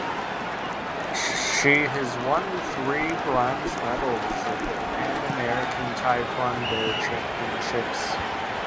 She has won three bronze medals at the Pan American Taekwondo Championships.